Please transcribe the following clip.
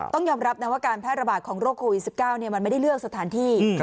ต้องยอมรับนะว่าการแพร่ระบาดของโรคโควิด๑๙มันไม่ได้เลือกสถานที่